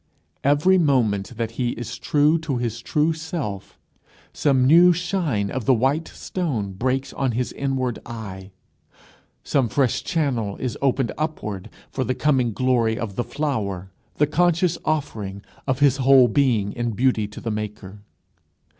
Every moment that he is true to his true self, some new shine of the white stone breaks on his inward eye, some fresh channel is opened upward for the coming glory of the flower, the conscious offering of his whole being in beauty to the Maker.